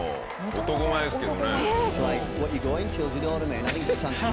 男前ですけどね。